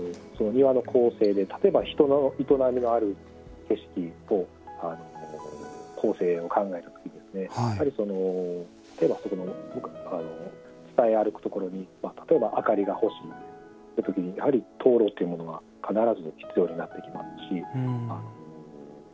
庭の構成で、例えば人の営みのある景色などの構成を考えるときに例えば、伝え歩くところに例えば明かりがほしいといったときにやはり、灯籠というものは必ず必要になってきますし。